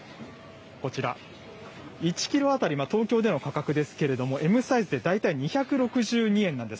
こちら、１キロ当たり、東京での価格ですけれども、Ｍサイズで大体２６２円なんです。